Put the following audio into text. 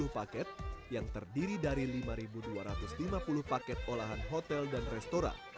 sepuluh tujuh ratus lima puluh paket yang terdiri dari lima dua ratus lima puluh paket olahan hotel dan restoran